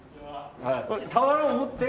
俵を持って。